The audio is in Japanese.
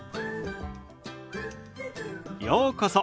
ようこそ。